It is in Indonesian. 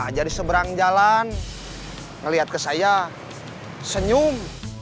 dia aja di seberang jalan ngeliat ke saya senyum